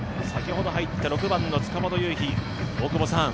先ほど入った６番の塚本悠日